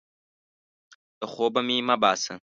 له خوبه مې مه باسه!